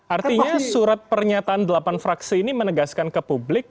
artinya surat pernyataan delapan fraksi ini menegaskan ke publik